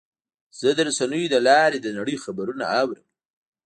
زه د رسنیو له لارې د نړۍ خبرونه اورم.